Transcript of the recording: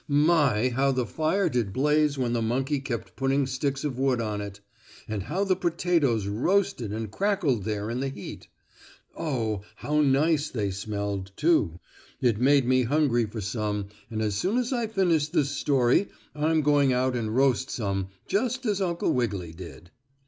My! how the fire did blaze when the monkey kept putting sticks of wood on it. And how the potatoes roasted and crackled there in the heat! Oh, how nice they smelled, too! It makes me hungry for some, and as soon as I finish this story I'm going out and roast some just as Uncle Wiggily did.